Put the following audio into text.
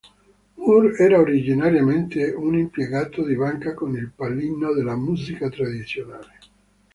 Moore era originariamente un impiegato di banca con il pallino della musica tradizionale.